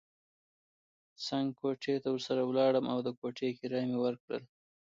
څنګ کوټې ته ورسره ولاړم او د کوټې کرایه مې ورکړل.